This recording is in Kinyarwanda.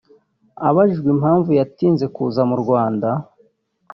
Abajijwe impamvu yatinze kuza mu Rwanda